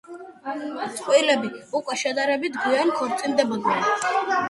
წყვილები უკვე შედარებით გვიან ქორწინდებოდნენ.